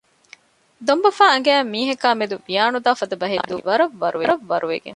ދޮންބަފާ އަނގައިން މީހަކާ މެދު ވިޔާނުދާ ފަދަ ބަހެއް ދޫކޮށްލާނީ ވަރަށް ވަރުވެގެން